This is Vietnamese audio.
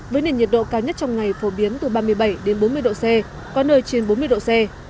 với nền nhiệt độ cao nhất trong ngày phổ biến từ ba mươi bảy bốn mươi độ c có nơi trên bốn mươi độ c